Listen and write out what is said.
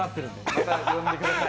また呼んでください。